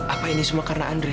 apa ini semua karena andre